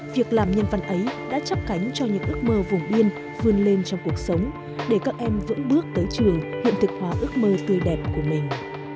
việc làm nhân văn ấy đã chấp cánh cho những ước mơ vùng biên vươn lên trong cuộc sống để các em vững bước tới trường hiện thực hóa ước mơ tươi đẹp của mình